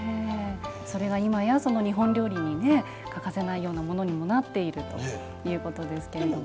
それが、いまや日本料理に欠かせないようなものにもなっているということですけれど。